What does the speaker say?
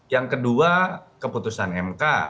yang kedua keputusan mk